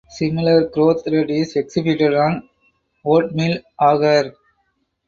Similar growth rate is exhibited on oatmeal agar.